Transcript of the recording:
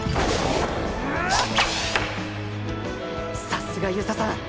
さすが遊佐さん！